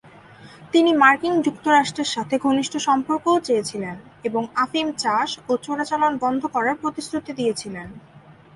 তিনি মার্কিন যুক্তরাষ্ট্রের সাথে ঘনিষ্ঠ সম্পর্কও চেয়েছিলেন এবং আফিম চাষ ও চোরাচালান বন্ধ করার প্রতিশ্রুতি দিয়েছিলেন।